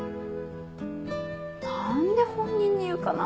何で本人に言うかな？